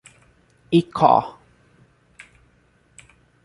Icó